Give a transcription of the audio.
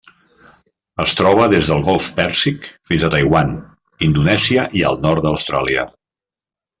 Es troba des del Golf Pèrsic fins a Taiwan, Indonèsia i el nord d'Austràlia.